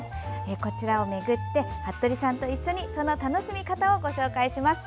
こちらを巡って服部さんと一緒にその楽しみ方をご紹介します。